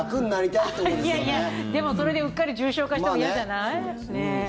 いやいや、でもそれでうっかり重症化したら嫌じゃない？